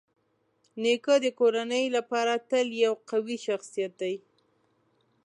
نیکه د کورنۍ لپاره تل یو قوي شخصيت دی.